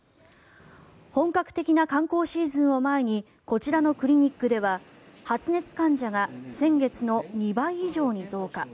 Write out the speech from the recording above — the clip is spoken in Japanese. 本格的な観光シーズンを前にこちらのクリニックでは発熱患者が先月の２倍以上に増加。